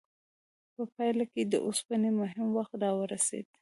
په پایله کې د اوسپنې مهم وخت راورسید.